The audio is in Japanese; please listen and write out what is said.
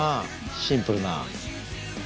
シンプルな。